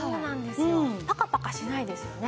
パカパカしないですよね。